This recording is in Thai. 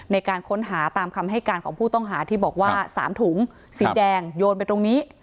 ในการค้นหาตามคำให้การของผู้ต้องหาที่บอกว่า๓ถุงสีแดงโยนไปตรงนี้